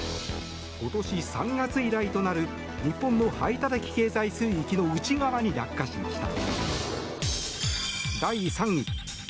今年３月以来となる日本の排他的経済水域の内側に落下しました。